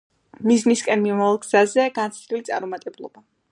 მიზნისკენ მიმავალ გზაზე განცდილი წარუმატებლობა.